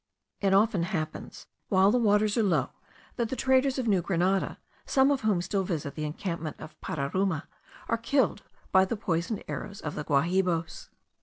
It often happens, while the waters are low, that the traders of New Grenada, some of whom still visit the encampment of Pararuma, are killed by the poisoned arrows of the Guahibos.